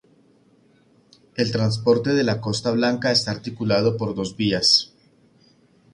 El transporte de la Costa Blanca está articulado por dos vías.